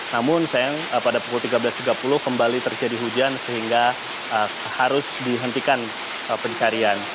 namun sayang pada pukul tiga belas tiga puluh kembali terjadi hujan sehingga harus dihentikan pencarian